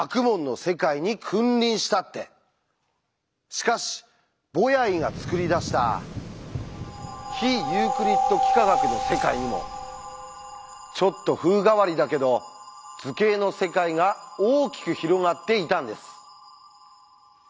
しかしボヤイが作り出した非ユークリッド幾何学の世界にもちょっと風変わりだけど図形の世界が大きく広がっていたんです。